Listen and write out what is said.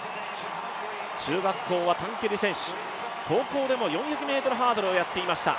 中学校は短距離選手、高校でも４００ｍハードルをやっていました。